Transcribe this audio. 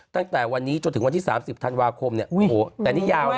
ตั้งแต่วันนี้จนถึงวันที่๓๐ธันวาคมเนี่ยโอ้โหแต่นี่ยาวเลย